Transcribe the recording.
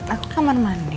aku ke kamar mandi